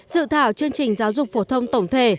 dự thảo chương trình giáo dục phổ thông tổng thể